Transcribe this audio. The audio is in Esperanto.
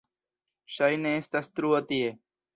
Ŝajne estas truo tie.